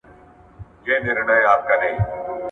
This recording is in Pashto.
زه به اوږده موده واښه راوړلي وم!؟